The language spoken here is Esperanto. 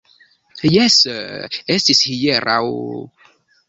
Jes... estis hieraŭ...